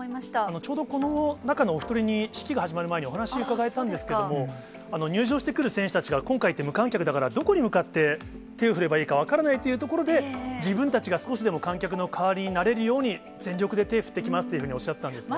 ちょうどこの中のお一人に式が始まる前にお話伺えたんですけども、入場してくる選手たちが今回って、無観客だから、どこに向かって手を振ればいいか分からないというところで、自分たちが少しでも観客の代わりになれるように、全力で手、振ってきますっておっしゃってたんですね。